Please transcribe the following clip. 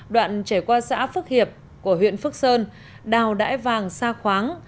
đoạn trải qua xã phước hiệp của huyện phước sơn đào đáy vàng xa khoáng